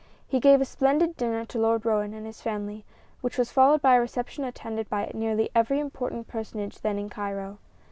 He gave a splendid dinner to Lord Roane and his family, which was followed by a reception attended by nearly every important personage then in Cairo.